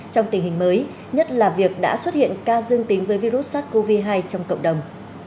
trong tình hình mới nhất là việc đã xuất hiện ca dương tính với virus sars cov hai trong cộng đồng